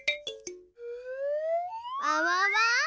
あわわ！